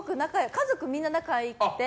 家族みんな仲良くて。